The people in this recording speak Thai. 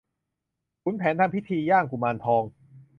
ขุนแผนทำพิธีย่างกุมารทอง